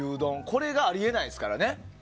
これがあり得ないですからね。